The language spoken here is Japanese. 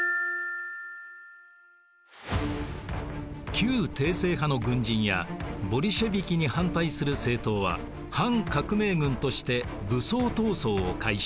旧帝政派の軍人やボリシェヴィキに反対する政党は反革命軍として武装闘争を開始。